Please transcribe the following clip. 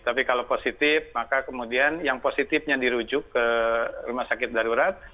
tapi kalau positif maka kemudian yang positifnya dirujuk ke rumah sakit darurat